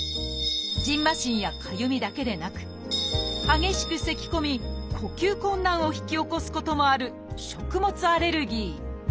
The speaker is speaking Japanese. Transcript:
今日はじんましんやかゆみだけでなく激しくせきこみ呼吸困難を引き起こすこともある「食物アレルギー」。